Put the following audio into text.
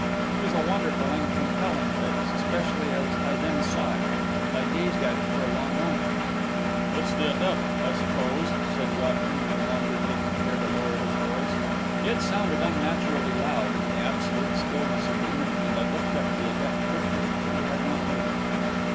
It was a wonderful and compelling face, especially as I then saw it, and I gazed at it for a long moment. "It's the adept, I suppose," said Godfrey, no longer taking care to lower his voice. It sounded unnaturally loud in the absolute stillness of the room, and I looked at the adept quickly, but he had not moved.